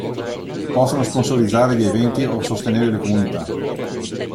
Possono sponsorizzare gli eventi o sostenere le comunità.